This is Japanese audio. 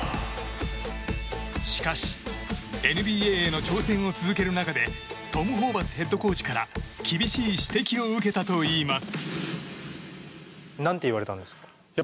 しかし、ＮＢＡへの挑戦を続ける中でトム・ホーバスヘッドコーチから厳しい指摘を受けたといいます。